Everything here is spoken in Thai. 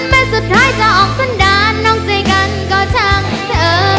แม้สุดท้ายจะออกสั้นด้านน้องใจกันก็ช่างเธอ